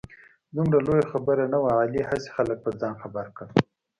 دومره لویه خبره نه وه. علي هسې خلک په ځان خبر کړ.